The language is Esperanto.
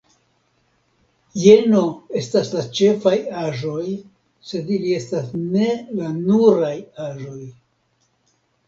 Jeno estas la ĉefaj aĵoj, sed ili estas ne la nuraj aĵoj.